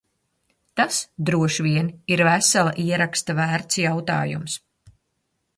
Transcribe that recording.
Tas droši vien ir vesela ieraksta vērts jautājums.